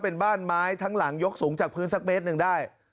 เป็นบ้านไม้ทั้งหลังยกสูงจากพื้นสักเมตรหนึ่งได้